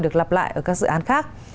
được lặp lại ở các dự án khác